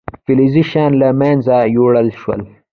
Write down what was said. فلزي شیان له منځه یوړل شول.